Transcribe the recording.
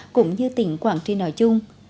cũng như tỉnh quảng trị nội chung